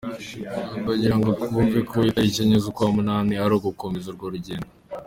Ndagira ngo twumve ko itariki enye z’ukwa munani, ari ugukomeza urwo rugendo.